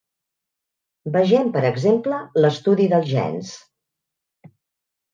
Vegem, per exemple, l'estudi dels gens.